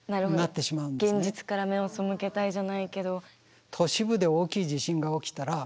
現実から目を背けたいじゃないけど。